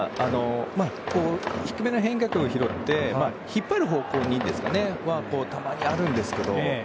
低めの変化球を拾って引っ張る方法はたまにあるんですけど。